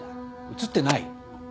映ってない？